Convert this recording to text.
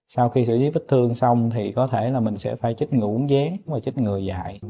sau khi xử trí vết thương xong thì có thể là mình sẽ phải chích ngủ uống gián và chích ngừa dại